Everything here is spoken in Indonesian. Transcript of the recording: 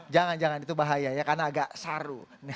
jangan jangan itu bahaya ya karena agak saru